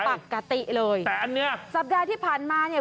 ปกติเลยแต่อันเนี้ยสัปดาห์ที่ผ่านมาเนี่ย